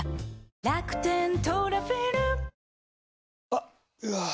あっ、うわー。